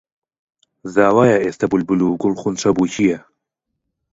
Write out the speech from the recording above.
زاوایە ئێستە بولبول و گوڵخونچە بووکییە